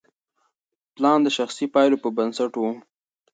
پلان د شخصي پایلو پر بنسټ و.